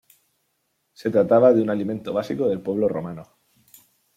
Se trataba de un alimento básico del pueblo romano.